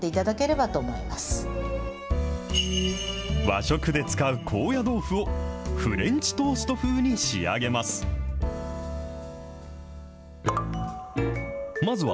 和食で使う高野豆腐をフレンチトースト風に仕上げます。